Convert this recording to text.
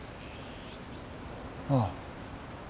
ああ。